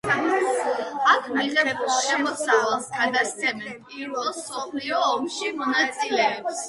აქ მიღებულ შემოსავალს გადასცემდნენ პირველ მსოფლიო ომში მონაწილეებს.